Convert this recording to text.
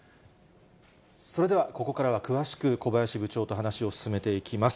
それでは、ここからは詳しく小林部長と話を進めていきます。